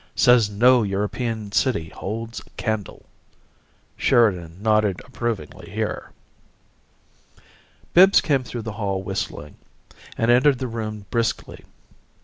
Says No European City Holds Candle." (Sheridan nodded approvingly here.) Bibbs came through the hall whistling, and entered the room briskly.